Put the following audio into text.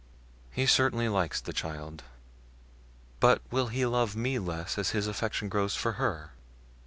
He certainly likes the child, but will he love me less as his affection grows for her?"